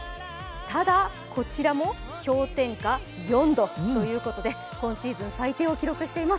ただこちらも氷点下４度ということで今シーズン最低を記録しています。